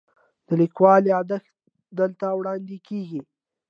د لیکوال یادښت دلته وړاندې کیږي.